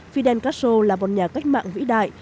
fidel castro là một nhà cách mạng vĩ đại